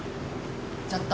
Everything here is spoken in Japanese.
ちょっと！